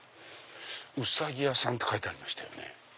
「うさぎ屋」って書いてありましたよね。